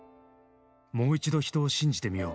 「もう一度人を信じてみよう」。